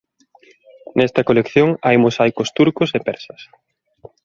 Nesta colección hai mosaicos turcos e persas.